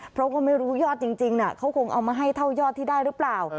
เพราะก็ไม่รู้ยอดจริงเขาคงเอามาให้เท่ายอดที่ได้หรือเปล่า